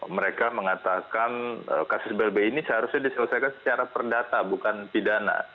mereka mengatakan kasus blbi ini seharusnya diselesaikan secara perdata bukan pidana